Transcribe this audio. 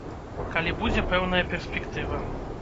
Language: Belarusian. Калі будзе пэўная перспектыва.